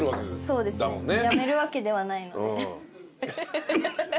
そうですねやめるわけではないので。